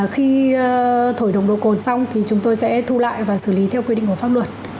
khi thổi nồng độ cồn xong thì chúng tôi sẽ thu lại và xử lý theo quy định của pháp luật